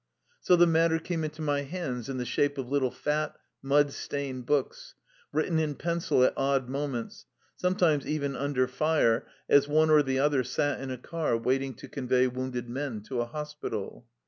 So the matter came into my hands in the shape of little fat, mud stained books, written in pencil at odd moments, sometimes even under fire as one or the other sat in a car waiting to convey wounded men to a hospital.